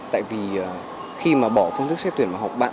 tại vì khi mà bỏ phương thức xét tuyển vào học bạ